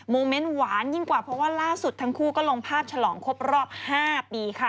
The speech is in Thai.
เมนต์หวานยิ่งกว่าเพราะว่าล่าสุดทั้งคู่ก็ลงภาพฉลองครบรอบ๕ปีค่ะ